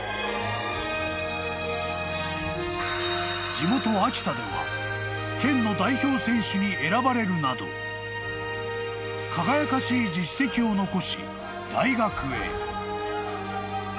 ［地元秋田では県の代表選手に選ばれるなど輝かしい実績を残し大学へ］